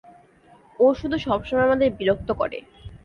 ও শুধু সবসময় আমাদের বিরক্ত করে।